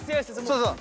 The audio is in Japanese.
そうそう。